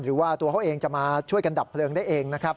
หรือว่าตัวเขาเองจะมาช่วยกันดับเพลิงได้เองนะครับ